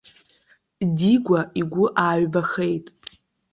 Дигәа игәы ааҩбахеит.